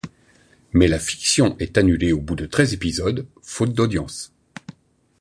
Mais la fiction est annulée au bout de treize épisodes, faute d'audiences.